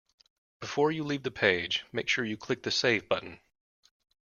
Before you leave the page, make sure you click the save button